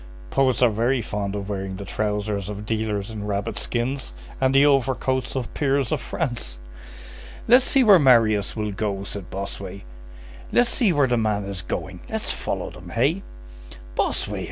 Poets are very fond of wearing the trousers of dealers in rabbit skins and the overcoats of peers of France." "Let's see where Marius will go," said Bossuet; "let's see where the man is going, let's follow them, hey?" "Bossuet!"